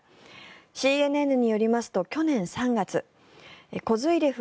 ＣＮＮによりますと去年３月、コズイレフ